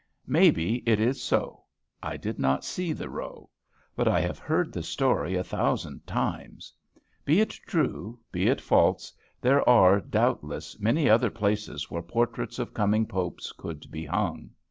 Maybe it is so. I did not see the row. But I have heard the story a thousand times. Be it true, be it false, there are, doubtless, many other places where portraits of coming popes could be hung.